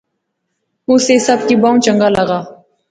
اس ایہہ سب کی بہوں چنگا لاغا